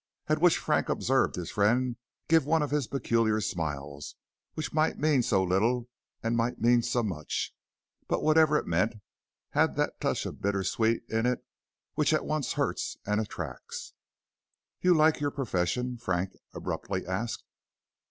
At which Frank observed his friend give one of his peculiar smiles which might mean so little and might mean so much, but whatever it meant had that touch of bittersweet in it which at once hurts and attracts. "You like your profession?" Frank abruptly asked.